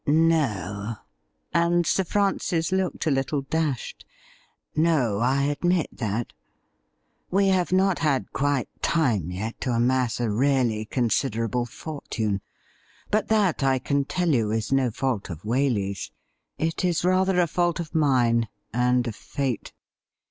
No,' and Sir Francis looked a little dashed ;' no, I admit that. We have not had quite time yet to amass a really considerable fortune. But that, I can tell you, is no fault of Waley's ; it is rather a fault of mine— and of Fate.